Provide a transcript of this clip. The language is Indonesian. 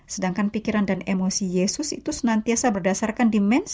sedangkan pikiran dan emosi yesus itu senantiasa berdasarkan demands